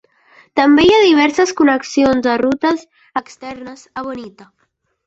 També hi ha diverses connexions a rutes externes a Bonita.